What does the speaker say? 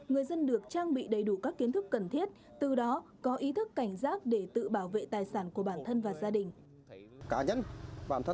người dân được trang bị đầy đủ các kiến thức cần thiết từ đó có ý thức cảnh giác để tự bảo vệ tài sản của bản thân và gia đình